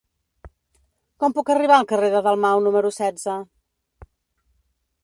Com puc arribar al carrer de Dalmau número setze?